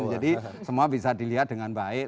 jadi semua bisa dilihat dengan baik